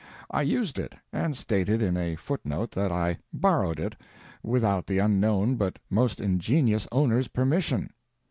I used it, and stated in a foot note that I "borrowed it, without the unknown but most ingenious owner's permission."